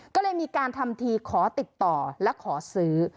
ก็เลยมีการทำทีก็เลยมีการทำที่ขอติดต่อและขอซื้อ